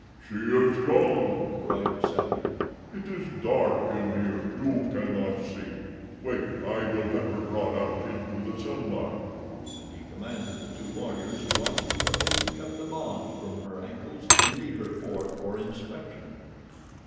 "She is young," cried the savage. "It is dark in here. You cannot see. Wait, I will have her brought out into the sunlight," and he commanded the two warriors who watched the girl to cut the bonds from her ankles and lead her forth for inspection.